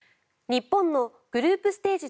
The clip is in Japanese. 日本のグループステージ